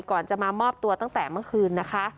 ก่อนจะมามอบตัวตั้งแต่เมื่อคืนนะคะ